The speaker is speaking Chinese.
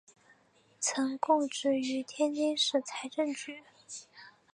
曾供职于天津市财政局。